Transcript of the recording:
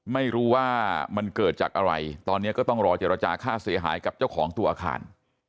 ไม่รู้ว่ามันเกิดจากอะไรตอนนี้ก็ต้องรอเจรจาค่าเสียหายกับเจ้าของตัวอาคาร